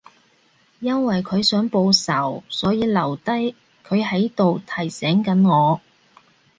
因為佢想報仇，所以留低佢喺度提醒緊我